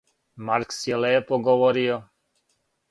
Маркс је лепо говорио.